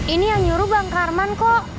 ini yang nyuruh bang karman kok